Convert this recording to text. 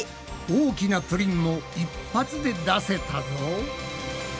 大きなプリンも一発で出せたぞ！